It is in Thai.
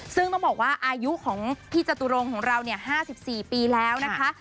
ซึ่งต้องบอกว่าอายุของพี่จตุรงของเรา๕๔ปีแล้วนะคะ